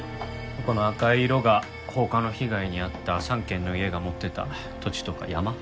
この赤い色が放火の被害に遭った３軒の家が持っていた土地とか山。